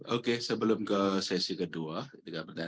oke sebelum ke sesi kedua